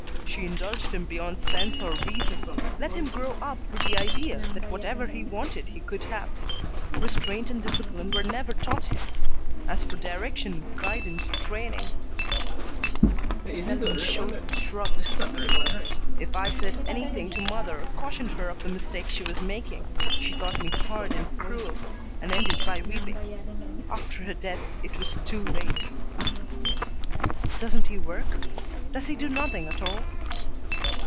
She indulged him beyond sense or reason; let him grow up with the idea that whatever he wanted he could have. Restraint and discipline were never taught him. As for direction, guidance, training " Selwyn's shoulders shrugged. "If I said anything to mother, cautioned her of the mistake she was making, she thought me hard and cruel, and ended by weeping. After her death it was too late." "Doesn't he work? Does he do nothing at all?"